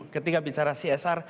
ketika bicara csr